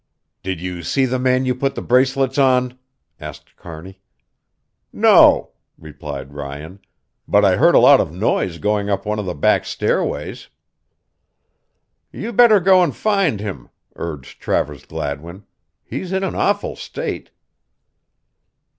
"Did you see the man you put the bracelets on?" asked Kearney. "No," replied Ryan, "but I heard a lot of noise going up one of the back stairways." "You better go and find him," urged Travers Gladwin. "He's in an awful state."